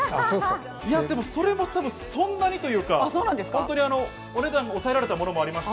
でも、それもそんなにというか、お値段が抑えられたものもありまして。